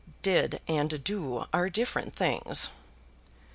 "Did and do are different things."